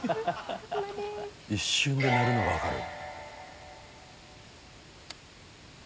一瞬で鳴るのが分かる。